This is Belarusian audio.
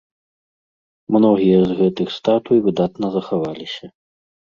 Многія з гэтых статуй выдатна захаваліся.